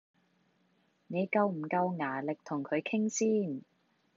你夠唔夠牙力同佢傾先？